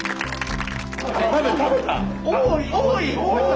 多い！